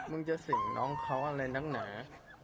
มึงจะสิ่งน้องเขาอะไรนักหนา